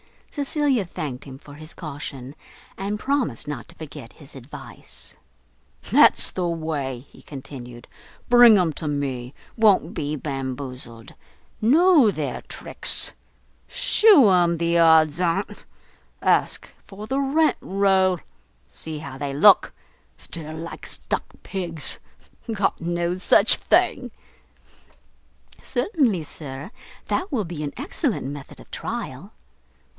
Cecilia thanked him for his caution, and promised not to forget his advice. "That's the way," he continued, "bring 'em to me. Won't be bamboozled. Know their tricks. Shew 'em the odds on't. Ask for the rent roll, see how they look! stare like stuck pigs! got no such thing." "Certainly, sir, that will be an excellent method of trial."